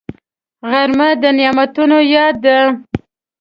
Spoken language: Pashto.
غرمه د نعمتونو یاد ده